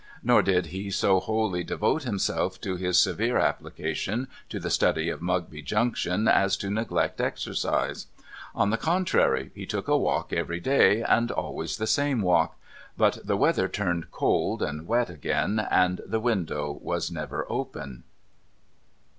Nor did he so wholly devote himself to his severe application to the study of Mugby Junction as to neglect exercise. On the contrary, he took a walk every day, and always the same walk, liut the weather turned cold and wet again, and the window was never open.